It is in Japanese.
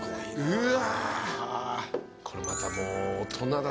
うわ！